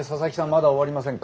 まだ終わりませんか？